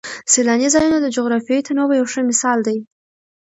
سیلاني ځایونه د جغرافیوي تنوع یو ښه مثال دی.